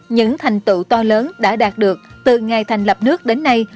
những thành tựu to lớn đã đạt được từ ngày thành lập nước đến nay